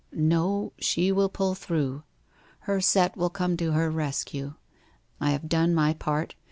'No, she will pull through. Her set will come to her rescue. I have done my part.